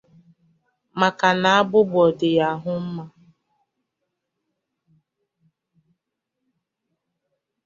Maka na agbụgbọ dị ya ahụ mma